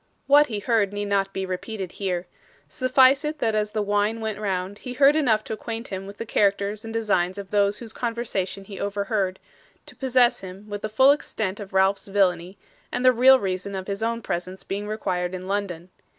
What he heard need not be repeated here. Suffice it that as the wine went round he heard enough to acquaint him with the characters and designs of those whose conversation he overhead; to possess him with the full extent of Ralph's villainy, and the real reason of his own presence being required in London.